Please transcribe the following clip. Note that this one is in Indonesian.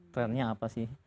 trendnya apa sih